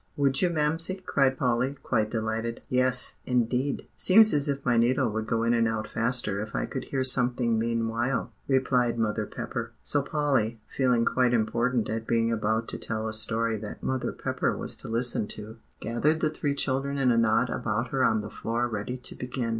"Would you, Mamsie?" cried Polly, quite delighted. "Yes, indeed. Seems as if my needle would go in and out faster if I could hear something meanwhile," replied Mother Pepper. So Polly, feeling quite important at being about to tell a story that Mother Pepper was to listen to, gathered the three children in a knot about her on the floor ready to begin.